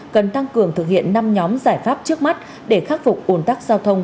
cần tăng cường thực hiện năm nhóm giải pháp trước mắt để khắc phục ồn tắc giao thông